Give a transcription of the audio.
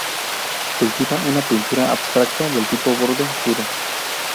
Cultiva una pintura abstracta del tipo "borde duro".